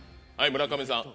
村上さん。